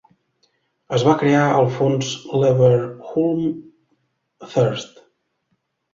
Es va crear el fons Leverhulme Trust.